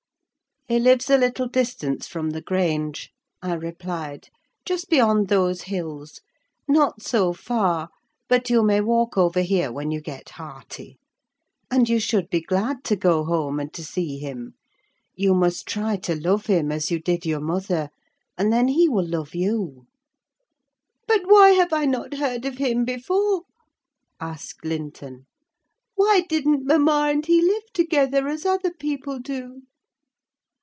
"He lives a little distance from the Grange," I replied; "just beyond those hills: not so far, but you may walk over here when you get hearty. And you should be glad to go home, and to see him. You must try to love him, as you did your mother, and then he will love you." "But why have I not heard of him before?" asked Linton. "Why didn't mamma and he live together, as other people do?"